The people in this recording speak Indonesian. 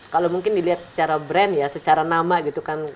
kalau mungkin dilihat secara brand ya secara nama gitu kan